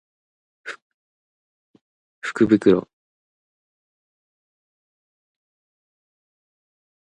福袋